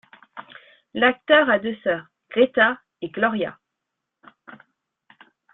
L'acteur a deux sœurs, Greta et Gloria.